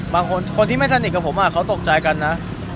คนที่ไม่สนิทกับผมเขาตกใจกันนะ